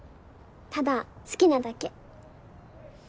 ただ好きなだけ